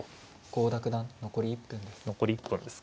郷田九段残り１分です。